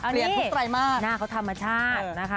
เปลี่ยนทุกสไตล์มากหน้าเขาธรรมชาตินะคะ